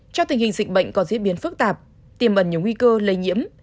trong tình hình dịch bệnh còn diễn biến phức tạp tiềm ẩn nhiều nguy cơ lây nhiễm